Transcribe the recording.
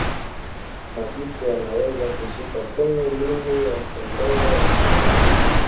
Majipu yanaweza kuzuka kwenye ulimi wa kondoo aliyeathirika